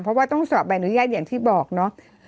เพราะว่าต้องสอบใบอนุญาตอย่างที่บอกเนาะ